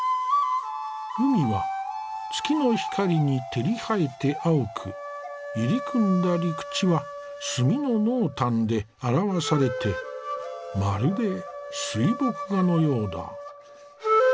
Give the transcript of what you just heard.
海は月の光に照り映えて青く入り組んだ陸地は墨の濃淡で表されてまるで水墨画のようだ。